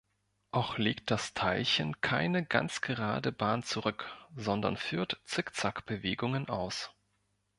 Auch legt das Teilchen keine ganz gerade Bahn zurück, sondern führt "Zick-Zack"-Bewegungen aus.